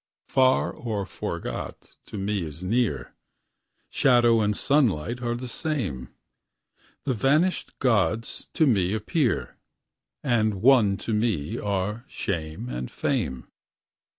Far or forgot to me is near; Shadow and sunlight are the same; The vanished gods to me appear; And one to me are shame and fame.